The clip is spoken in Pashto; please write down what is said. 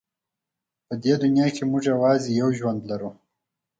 په دې دنیا کې موږ یوازې یو ژوند لرو.